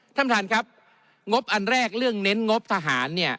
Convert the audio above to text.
ท่านประธานครับงบอันแรกเรื่องเน้นงบทหารเนี่ย